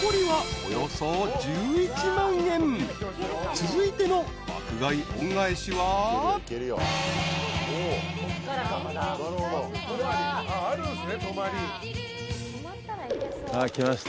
［続いての爆買い恩返しは］来ました